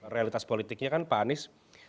realitas politiknya kan pak anies